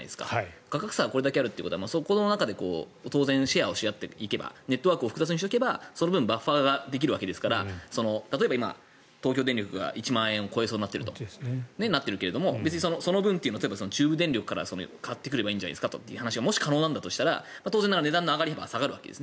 価格差がこれだけあるということはその中で当然シェアをし合っていけばネットワークを複雑にしておけばその分バッファーができるわけですから例えば、今、東京電力が１万円を超えそうになっているけれどもその分、中部電力から買ってくればいいんじゃないですかという話がもし可能だとしたら値段の上がり幅が下がるわけです。